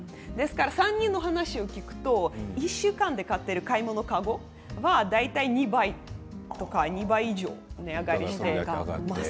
３人の話を聞くと１週間で買っている買い物籠は大体２倍以上、値上がりしているということです。